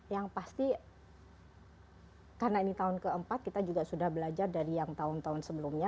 yang pasti karena ini tahun keempat kita juga sudah belajar dari yang tahun tahun sebelumnya